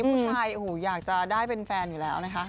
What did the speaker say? ผู้ชายโอ้โหอยากจะได้เป็นแฟนอยู่แล้วนะคะ